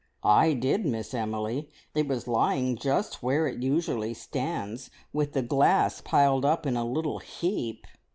"I did, Miss Emily. It was lying just where it usually stands, with the glass piled up in a little heap."